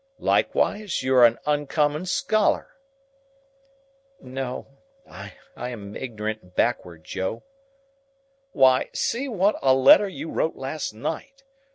Likewise you're a oncommon scholar." "No, I am ignorant and backward, Joe." "Why, see what a letter you wrote last night!